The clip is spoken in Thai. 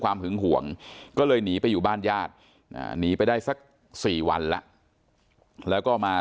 หึงห่วงก็เลยหนีไปอยู่บ้านญาติหนีไปได้สัก๔วันแล้วแล้วก็มา